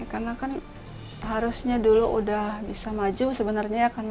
karena kan harusnya dulu udah bisa maju sebenarnya ya